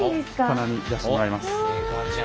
金網出してもらいます。